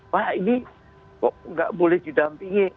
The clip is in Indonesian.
pak ini kok tidak boleh didampingi